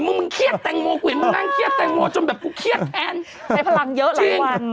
มันเครียดแตงโมกวิ่งมันนั่งเครียดแตงโมจนแบบกูเครียดแทน